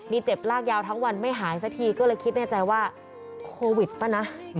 นี่เจ็บลากยาวทั้งวันไม่หายสักทีก็เลยคิดในใจว่าโควิดป่ะนะ